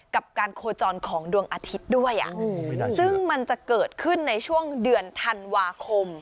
กับการโคจรของดวงอาทิตย์ด้วยซึ่งมันจะเกิดขึ้นในช่วงเดือนธันวาคม